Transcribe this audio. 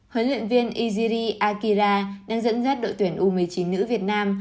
huấn luyện viên iziri akira đang dẫn dắt đội tuyển u một mươi chín nữ việt nam